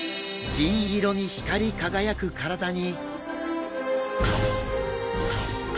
銀色に光り輝く体に。